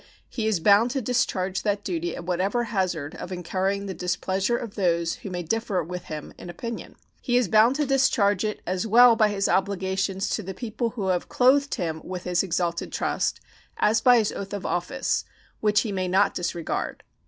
He is bound to discharge that duty at whatever hazard of incurring the displeasure of those who may differ with him in opinion. He is bound to discharge it as well by his obligations to the people who have clothed him with his exalted trust as by his oath of office, which he may not disregard.